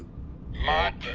待て！